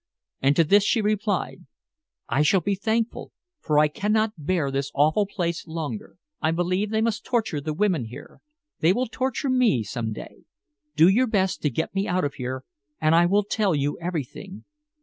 And to this she replied "I shall be thankful, for I cannot bear this awful place longer. I believe they must torture the women here. They will torture me some day. Do your best to get me out of here and I will tell you everything.